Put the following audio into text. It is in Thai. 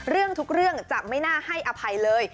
ทุกเรื่องจะไม่น่าให้อภัยเลย